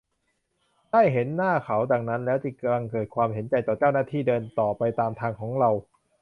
ได้เห็นหน้าเขาดังนั้นแล้ว จึงบังเกิดความเห็นใจต่อเจ้าหน้าที่ เดินต่อไปตามทางของเรา